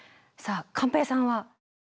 さあ寛平さんは？